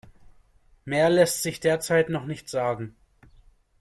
Mehr lässt sich derzeit noch nicht sagen.